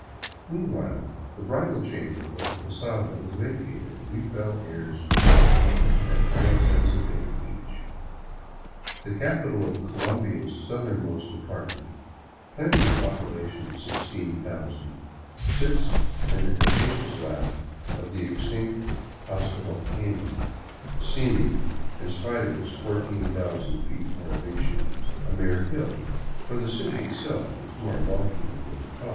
Meanwhile, the bridal chamber of the posada was vacated and we fell heirs to it — at nine cents a day each. The capital of Colombia's southernmost department, claiming a population of 16,000, sits in the capacious lap of the extinct Pasto volcano, seeming, in spite of its 14,000 feet elevation, a mere hill, for the city itself is more lofty than Bogota.